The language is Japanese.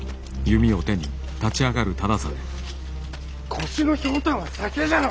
腰のひょうたんは酒じゃろ！